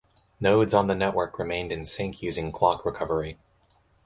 Nodes on the network remained in sync using clock recovery.